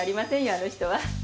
あの人は。